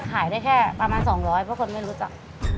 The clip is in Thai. ขายได้แค่ประมาณ๒๐๐เพราะคนไม่รู้จัก